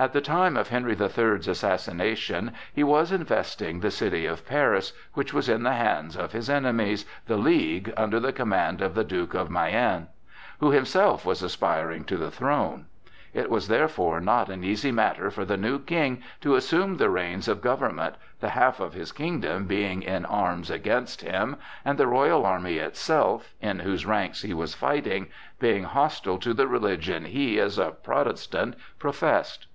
At the time of Henry the Third's assassination, he was investing the city of Paris, which was in the hands of his enemies, the League, under the command of the Duke of Mayenne, who himself was aspiring to the throne. It was therefore not an easy matter for the new King to assume the reins of government, the half of his kingdom being in arms against him, and the royal army itself, in whose ranks he was fighting, being hostile to the religion he (as a Protestant) professed.